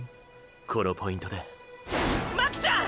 このポイントで巻ちゃん！！